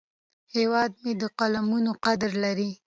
هیواد مې د قلمونو قدر لري